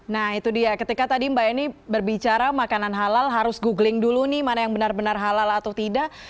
nah itu dia ketika tadi mbak eni berbicara makanan halal harus googling dulu nih mana yang benar benar halal atau tidak